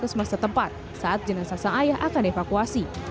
ketika dia berada di tempat saat jenazah sang ayah akan dievakuasi